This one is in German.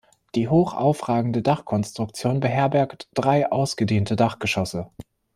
Die hoch aufragende Dachkonstruktion beherbergt drei ausgedehnte Dachgeschosse.